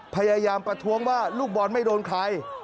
พยายามประท้วงว่าลูกบอลไม่โดนใคร